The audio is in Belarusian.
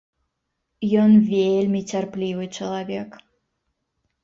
Ён вельмі цярплівы чалавек.